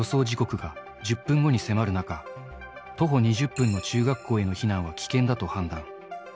時刻が１０分後に迫る中、徒歩２０分の中学校への避難は危険だと判断。